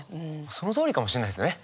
そのとおりかもしれないですね。